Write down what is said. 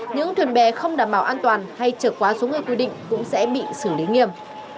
những thuyền bè không đảm bảo an toàn hay trở quá số người quy định cũng sẽ bị xử lý nghiêm